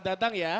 selamat datang ya